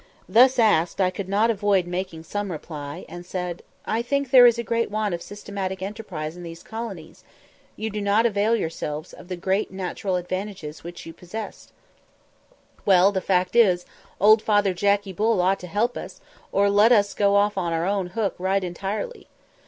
Thus asked, I could not avoid making some reply, and said, "I think there is a great want of systematic enterprise in these colonies; you do not avail yourselves of the great natural advantages which you possess." "Well, the fact is, old father Jackey Bull ought to help us, or let us go off on our own hook right entirely."